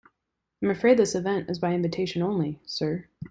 I'm afraid this event is by invitation only, sir.